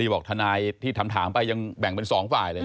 หรือท่านายที่ทำถามไปยังแบ่งเป็น๒ฝ่ายเลย